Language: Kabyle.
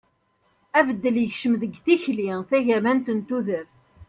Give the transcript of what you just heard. abeddel yekcem deg tikli tagamant n tudert